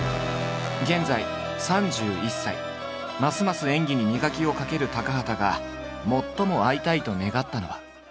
現在３１歳ますます演技に磨きをかける高畑が最も会いたいと願ったのは。